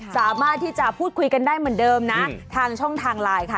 สามารถที่จะพูดคุยกันได้เหมือนเดิมนะทางช่องทางไลน์ค่ะ